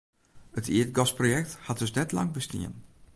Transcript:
It ierdgasprojekt hat dus net lang bestien.